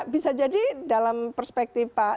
bisa jadi dalam perspektif pak